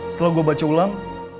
setelah gue baca ulang